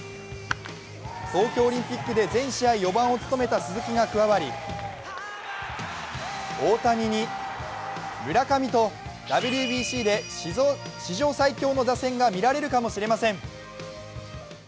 東京オリンピックで全試合４番を務めた鈴木が加わり、大谷に村上と、ＷＢＣで史上最強の打線が見られるかもしれません。